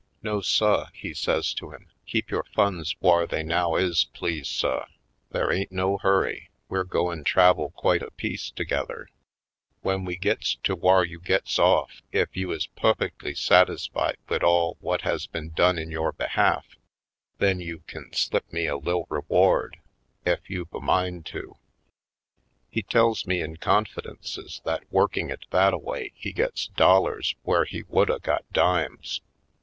"No, suh," he says to him, "keep yore funds v/har they now is, please, suh. There ain't no hurry — ^we're goin' travel quite a piece together. Wen we gits to whar you gits off, ef you is puffec'ly satisfied wid all whut has been done in yore behalf then you kin slip me a lil' reward, ef you's a mind to." He tells me in confidences that working it that a way he gets dollars where he would a got dimes.